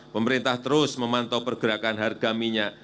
pemerintah terus memantau pergerakan harga minyak